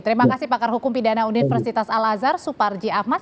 terima kasih pakar hukum pidana universitas al azhar suparji ahmad